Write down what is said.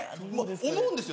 思うんですよ